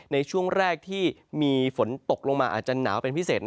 ในช่วงแรกที่มีฝนตกลงมาอาจจะหนาวเป็นพิเศษ